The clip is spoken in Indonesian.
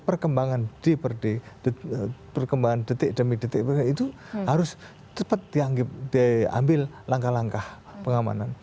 perkembangan d per d perkembangan detik demi detik itu harus cepat diambil langkah langkah pengamanan